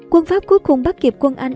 quân pháp cuối cùng bắt kịp quân anh